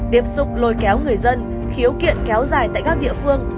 tiếp tục lôi kéo người dân khiếu kiện kéo dài tại các địa phương